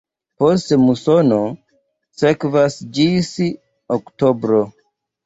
Poste musono sekvas ĝis oktobro.